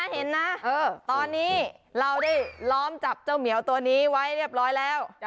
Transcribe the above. เห็นนะตอนนี้เราได้ล้อมจับเจ้าเหมียวตัวนี้ไว้เรียบร้อยแล้ว